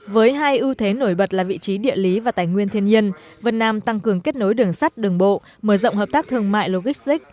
với hai ưu thế nổi bật là vị trí địa lý và tài nguyên thiên nhiên vân nam tăng cường kết nối đường sắt đường bộ mở rộng hợp tác thương mại logistic